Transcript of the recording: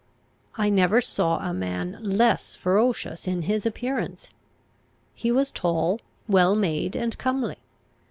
I never saw a man less ferocious in his appearance. He was tall, well made, and comely.